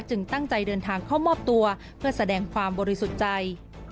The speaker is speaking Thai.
ตั้งใจเดินทางเข้ามอบตัวเพื่อแสดงความบริสุทธิ์ใจ